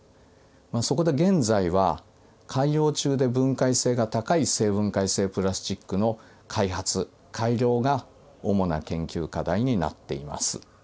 そこで現在は海洋中で分解性が高い生分解性プラスチックの開発・改良が主な研究課題になっています。